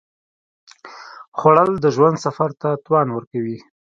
خوړل د ژوند سفر ته توان ورکوي